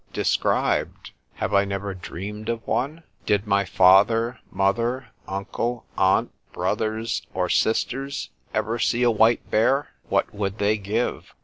—described? Have I never dreamed of one? Did my father, mother, uncle, aunt, brothers or sisters, ever see a white bear? What would they give?